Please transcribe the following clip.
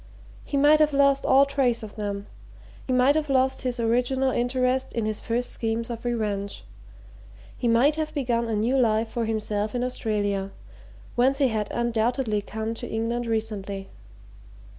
He might have lost all trace of them; he might have lost his original interest in his first schemes of revenge; he might have begun a new life for himself in Australia, whence he had undoubtedly come to England recently.